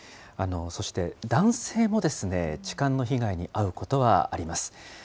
そして、男性も痴漢の被害に遭うことはあります。